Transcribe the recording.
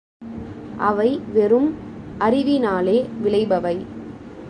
அவை வெறும் அறிவினாலே விளைபவை.